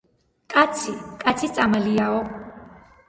კაცი კაცის წამალიაო